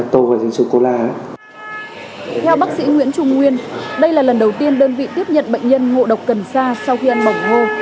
theo bác sĩ nguyễn trung nguyên đây là lần đầu tiên đơn vị tiếp nhận bệnh nhân ngộ độc cần sa sau khi ăn mỏng ngô